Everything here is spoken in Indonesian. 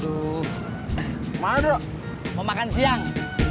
aduh madu mau makan siang